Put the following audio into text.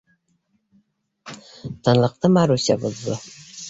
Тынлыҡты Маруся боҙҙо: